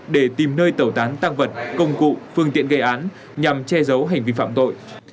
để tìm nơi tẩu tán tăng vật công cụ phương tiện gây án nhằm che giấu hành vi phạm tội